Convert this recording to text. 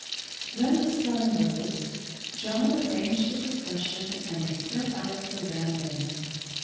When the sun rose, John arranged the procession, and they set out for Rambin.